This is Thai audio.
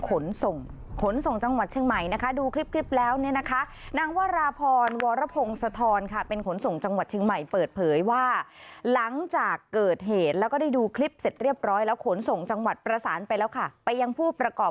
ขนส่งจังหวัดเชียงใหม่นะคะดูคลิปแล้วเนี่ยนะคะ